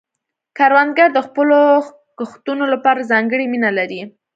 کروندګر د خپلو کښتونو لپاره ځانګړې مینه لري